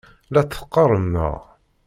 La tt-teqqarem, naɣ?